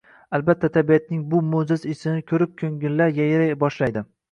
Albatta tabiatning bu mujaz ishini ko’rib ko‘ngillar yayray boshlaydi.